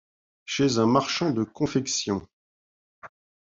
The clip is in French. Chez un marchand de confection.